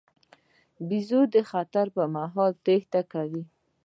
بیزو د خطر پر مهال تېښته کوي.